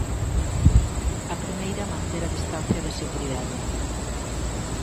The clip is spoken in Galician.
A primeira manter a distancia de seguridade.